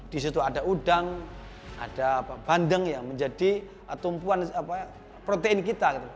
di situ ada udang ada bandeng yang menjadi tumpuan protein kita